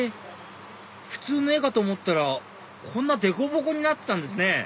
普通の絵かと思ったらこんなでこぼこになってたんですね